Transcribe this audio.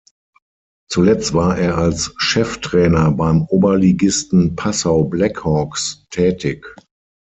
Zuletzt war er als Cheftrainer beim Oberligisten Passau Black Hawks tätig.